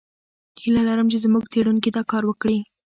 هیله لرم چې زموږ څېړونکي دا کار وکړي.